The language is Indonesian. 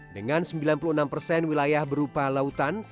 dengan sembilan puluh enam persen wilayah berupa lautan